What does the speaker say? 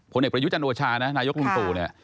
เอกประยุจันโอชานะนายกลุงตู่เนี่ย